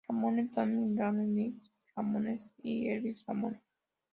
Ramone, Tommy Ramone, Richie Ramone y Elvis Ramone.